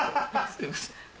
すいません。